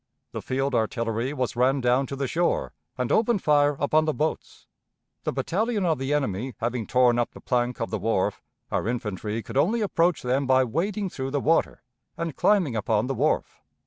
The field artillery was ran down to the shore, and opened fire upon the boats. The battalion of the enemy having torn up the plank of the wharf, our infantry could only approach them by wading through the water, and climbing upon the wharf.